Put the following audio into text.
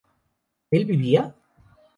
¿él vivía?